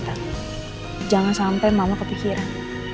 kadang semakin banyak yang melahirkan kamu